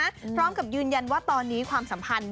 พร้อมกับยืนยันว่าตอนนี้ความสัมพันธ์